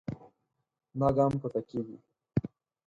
دا ګام پورته کېږي.